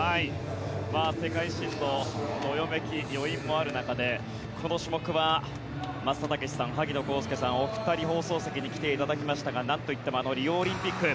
世界新のどよめき余韻もある中でこの種目は松田丈志さん萩野公介さんのお二人に放送席に来てもらいましたがなんといってもあのリオオリンピック